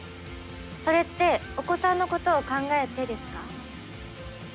それってお子さんのことを考えてですか？